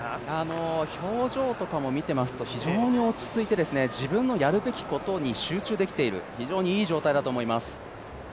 表情とかを見ていると非常に落ち着いていて、自分のやるべきことに集中できている非常にいい状態だと思います。